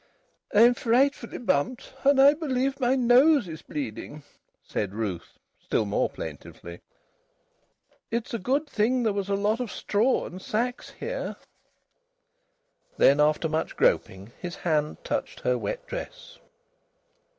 "I'm frightfully bumped, and I believe my nose is bleeding," said Ruth, still more plaintively. "It's a good thing there was a lot of straw and sacks here." Then, after much groping, his hand touched her wet dress.